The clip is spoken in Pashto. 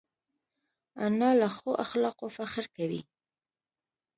انا له ښو اخلاقو فخر کوي